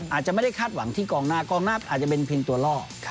อาจจะไม่ได้คาดหวังที่กองหน้ากองหน้าอาจจะเป็นเพียงตัวล่อ